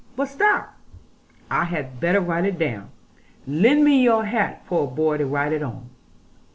But stop, I had better write it down. Lend me your hat, poor boy, to write on.'